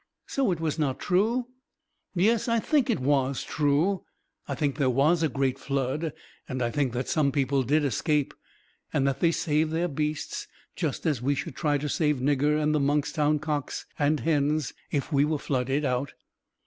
"So it was not true?" "Yes, I think it was true. I think there was a great flood, and I think that some people did escape, and that they saved their beasts, just as we should try to save Nigger and the Monkstown cocks and hens if we were flooded out.